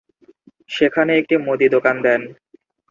সেখানে একটি মুদি দোকান দেন।